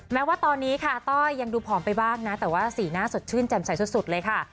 แม้ว่าตอนนี้ค่ะต้อยยังดูผอมไปบ้างนะแต่ว่าสีหน้าสดชื่นแจ่มใสสุดเลยค่ะ